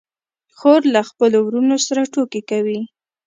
خور له خپلو وروڼو سره ټوکې کوي.